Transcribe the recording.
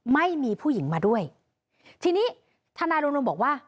ไม่มีผู้หญิงมาด้วยทีนี้ทนายโรงบอกว่า